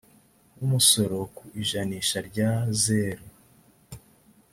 umusoro ku ijanisha rya zeru